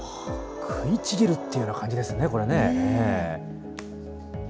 食いちぎるっていうような感じですね、これね。